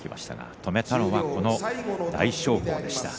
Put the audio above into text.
止めたのは大翔鵬でした。